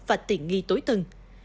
và tiện nghi tối tân